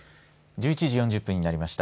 １１時４０分になりました。